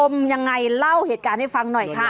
อมอย่างไรล่ะรู้เหตุการณ์ให้ฟังหน่อยค่ะ